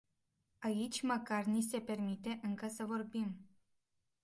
Aici măcar ni se permite încă să vorbim.